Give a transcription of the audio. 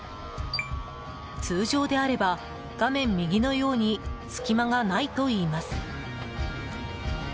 通常であれば、画面右のように隙間がないといいます。